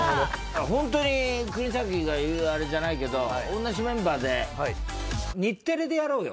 ホントに国崎が言うあれじゃないけど同じメンバーで日テレでやろうよ。